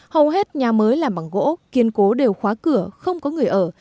hầu hết nhà mới làm bằng gỗ kiên cố đều khóa cửa không có người ở